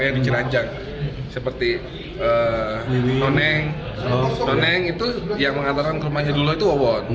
yang di ciranjang seperti noneng itu yang mengantarkan ke rumah suduloh itu mowon